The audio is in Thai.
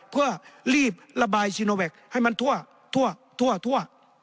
เพื่อรีบระบายซีโนแวคให้มันทั่ว